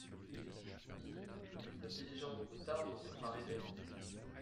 Midi !… la diligence de Tarbes doit être arrivée.